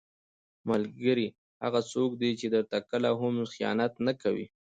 ملګری هغه څوک دی چې درته کله هم خیانت نه کوي.